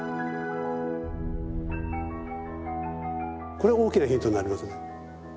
これは大きなヒントになりますね。